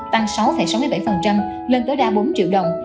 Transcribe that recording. tăng sáu sáu mươi bảy lên tối đa bốn triệu đồng